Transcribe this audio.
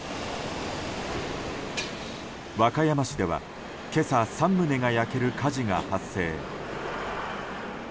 和歌山市では、今朝３棟が焼ける火事が発生。